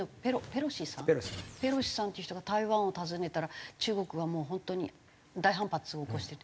ペロシさんっていう人が台湾を訪ねたら中国はもう本当に大反発を起こしてて。